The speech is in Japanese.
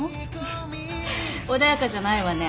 フッ穏やかじゃないわね。